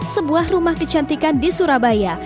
sebuah rumah kecantikan di surabaya